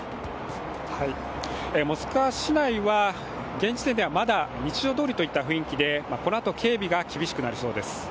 モスクワ市内は現時点ではまだ日常どおりといった雰囲気で、このあと警備が厳しくなりそうです。